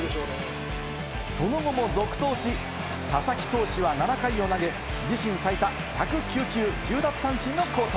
その後も続投し、佐々木投手は７回を投げ、自身最多１０９球１０奪三振の好投。